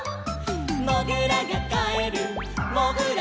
「もぐらがかえるもぐらトンネル」